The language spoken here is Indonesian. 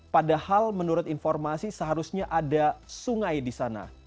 padahal menurut informasi seharusnya ada sungai di sana